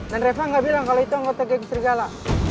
dan reva gak bilang kalau itu anggota geng serigala